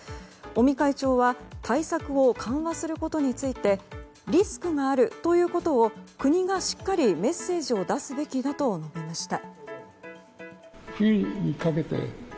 尾身会長は対策を緩和することについてリスクがあるということを国がしっかりメッセージを出すべきだと述べました。